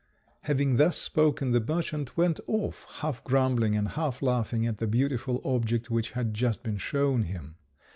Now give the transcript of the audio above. Having thus spoken, the merchant went off, half grumbling and half laughing at the beautiful object which had just been shown him.